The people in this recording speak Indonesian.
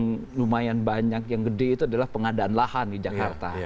yang lumayan banyak yang gede itu adalah pengadaan lahan di jakarta